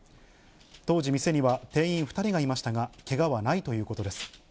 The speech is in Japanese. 当時、店には店員２人がいましたが、けがはないということです。